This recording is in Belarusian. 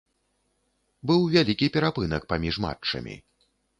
Быў вялікі перапынак паміж матчамі.